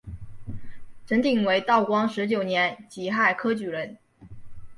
陈鼐为道光十九年己亥科举人。